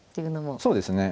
そうですね。